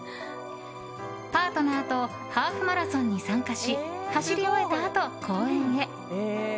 パートナーとハーフマラソンに参加し走り終えたあと公園へ。